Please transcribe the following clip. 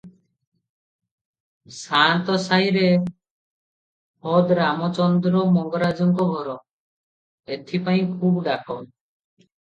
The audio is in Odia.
ସାଆନ୍ତ ସାଇରେ ଖୋଦ୍ ରାମଚନ୍ଦ୍ର ମଙ୍ଗରାଜଙ୍କ ଘର; ଏଥିପାଇଁ ଖୁବ୍ ଡାକ ।